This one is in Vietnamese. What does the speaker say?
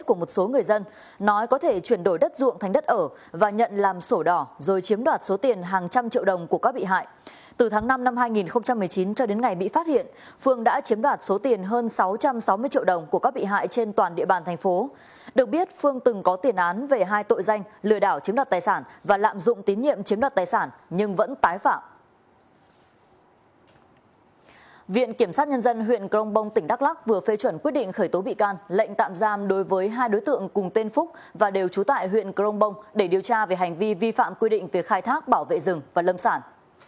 cảnh sát nhân dân huyện crong bông tỉnh đắk lắc vừa phê chuẩn quyết định khởi tố bị can lệnh tạm giam đối với hai đối tượng cùng tên phúc và đều trú tại huyện crong bông để điều tra về hành vi vi phạm quy định về khai thác bảo vệ rừng và lâm sản